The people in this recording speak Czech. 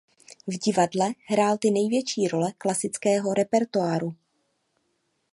V divadle hrál ty největší role klasického repertoáru.